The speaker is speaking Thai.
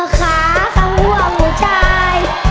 ขาของพี่พี่ดาย